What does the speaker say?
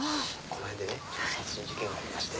この辺でね殺人事件がありまして。